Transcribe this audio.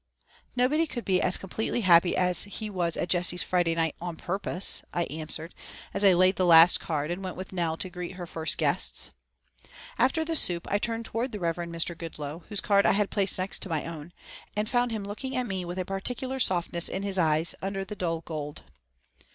"Nobody could be as completely happy as he was at Jessie's Friday night on purpose," I answered, as I laid the last card and went with Nell to greet her first guests. After the soup I turned toward the Reverend Mr. Goodloe, whose card I had placed next my own, and found him looking at me with a particular softness in his eyes under the dull gold.